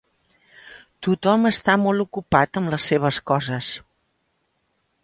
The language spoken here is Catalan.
Tothom està molt ocupat amb les seves coses.